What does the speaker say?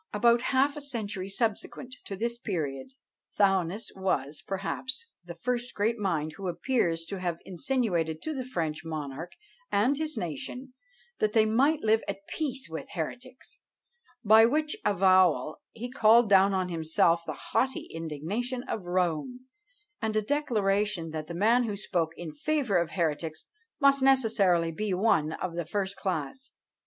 About half a century subsequent to this period, Thuanus was, perhaps, the first great mind who appears to have insinuated to the French monarch and his nation, that they might live at peace with heretics; by which avowal he called down on himself the haughty indignation of Rome, and a declaration that the man who spoke in favour of heretics must necessarily be one of the first class.